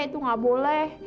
itu gak boleh